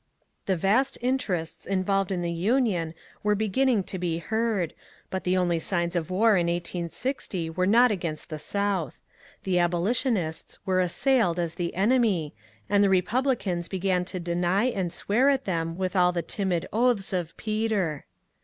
^ The vast interests involved in the Union were be ginning to be heard, but the only signs of war in 1860 were not against the South ; the abolitionists were assailed as the enemy, and the Republicans began to deny and swear at them with all the timid oaths of Peter.